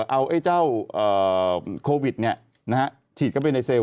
เอาเจ้าโควิดฉีดเข้าไปในเซลล